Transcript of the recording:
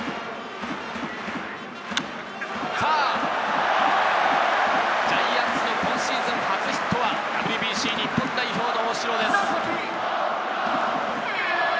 さぁジャイアンツの今シーズン初ヒットはＷＢＣ日本代表の大城です。